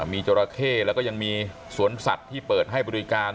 มีจราเข้แล้วก็ยังมีสวนสัตว์ที่เปิดให้บริการ